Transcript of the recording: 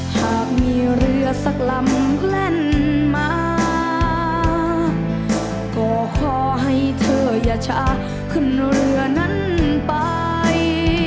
หากมีเรือสักลำแล่นมาก็ขอให้เธออย่าช้าขึ้นเรือนั้นไป